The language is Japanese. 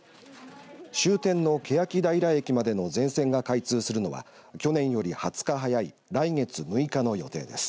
終点の欅平駅までの全線が開通するのは去年より２０日早い来月６日の予定です。